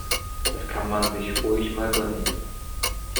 Das kann man sich ruhig mal gönnen.